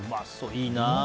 いいな。